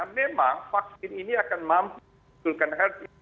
memang vaksin ini akan mampu menunjukkan health issue